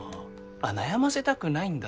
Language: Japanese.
あっ悩ませたくないんだ